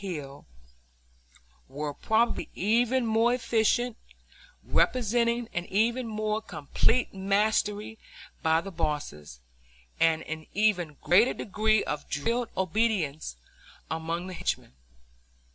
Hill, were probably even more efficient, representing an even more complete mastery by the bosses, and an even greater degree of drilled obedience among the henchmen.